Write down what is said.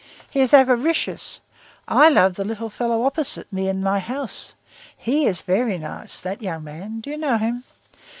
"He is avaricious. I love the little fellow opposite me in my house. He is very nice, that young man; do you know him?